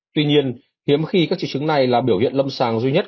tuy nhiên hiếm khi các triệu chứng này là biểu hiện lâm sàng duy nhất